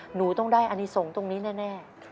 หนูต้องได้อนิสงฆ์ตรงนี้แน่